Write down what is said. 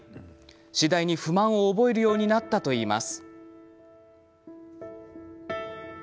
次第に不満を覚えるようになったといいます。